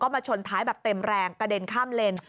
มาชนท้ายแบบเต็มแรงกระเด็นข้ามเลน